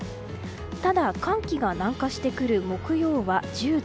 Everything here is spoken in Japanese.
ただ、寒気が南下してくる木曜は１０度。